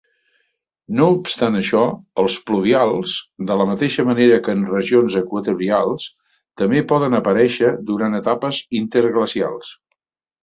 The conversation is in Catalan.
No obstant això, els pluvials, de la mateixa manera que en regions equatorials, també poden aparèixer durant etapes interglacials.